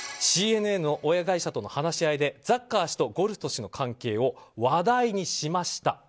ＣＮＮの親会社との話し合いでザッカー氏とゴルスト氏の関係を話題にしました。